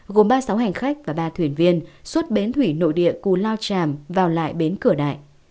gồm ba sáu hành khách và ba thuyền viên suốt bến thủy nội địa q lao cham vào lại bến cửa đại